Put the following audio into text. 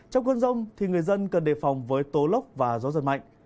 trong cơn rông thì người dân cần đề phòng với tố lốc và gió giật mạnh